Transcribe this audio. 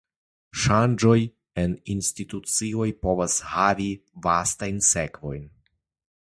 Ŝanĝoj en institucioj povas havi vastajn sekvojn.